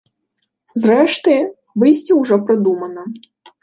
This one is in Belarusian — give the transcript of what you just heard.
Зрэшты, выйсце ўжо прыдумана.